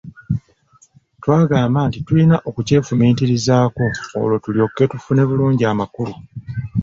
Twagamba nti tulina okukyefumiitirizaako olwo tulyoke tufune bulungi amakulu.